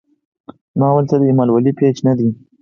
زما وال څۀ د اېمل ولي پېج نۀ دے